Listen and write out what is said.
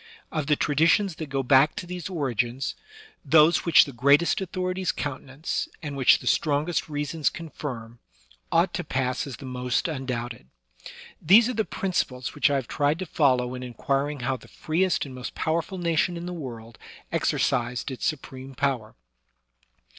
Of the tradi tions that go back to these origins, those which the greatest authorities countenance, and which the strongest reasons confirm, ought to pass as the most undoubted. These are the principles which I have tried to follow in inquiring how the freest and most powerful nation in the world exercised its supreme power.